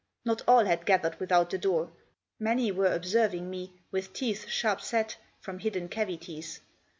Not all had gathered without the door, many were observing me, with teeth sharp set, from hidden cavities.